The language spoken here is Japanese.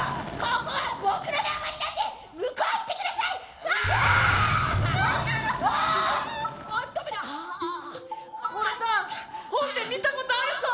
これだ本で見たことあるぞ。